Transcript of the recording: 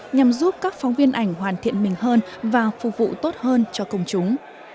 nhằm giúp các phóng viên ảnh hoàn thiện mình hơn và phục vụ tốt hơn cho công chúng